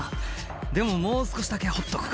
「でももう少しだけ掘っとくか」